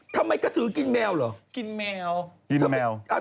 ทำมั้ยกระสือกินแมวเหรอ